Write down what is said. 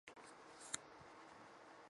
现任主席为来自芝加哥的罗森博格。